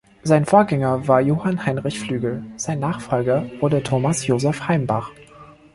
Sein Vorgänger war Johann Heinrich Flügel, sein Nachfolger wurde Thomas Josef Heimbach.